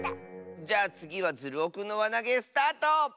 じゃあつぎはズルオくんのわなげスタート！